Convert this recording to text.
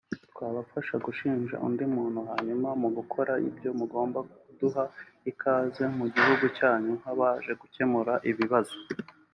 twabafasha gushinja undi muntu hanyuma mu gukora ibyo mugomba kuduha ikaze mu gihugu cyanyu nk’abaje gukemura ibibazo